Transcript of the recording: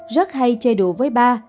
rất hay chơi đùa với ba